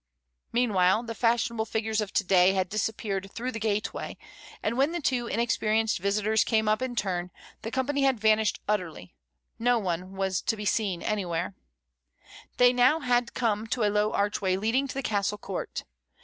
Meanwhile the fashionable figures of to day had disappeared through the gateway, and when the two inexperienced visitors came up in turn, the company had vanished utterly, no one was to be seen anywhere. They now 30 MRS. DYMOND. had come to a low archway leading to the Castle court.